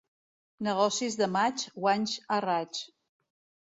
Negocis de maig, guanys a raig.